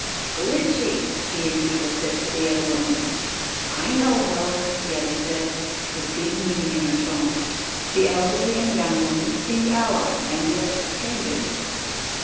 "Who is she?" the innkeeper said to the other woman. "I know her," the other said, with deep meaning in her tone. The elderly and young woman seemed allied, and yet strangers.